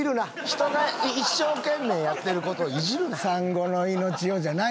人が一生懸命やってることをいじるな。